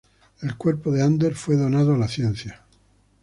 El cuerpo de Ander fue donado a la ciencia.